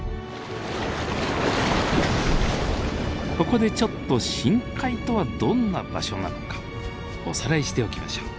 ここでちょっと深海とはどんな場所なのかおさらいしておきましょう。